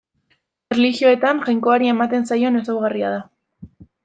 Erlijioetan Jainkoari ematen zaion ezaugarria da.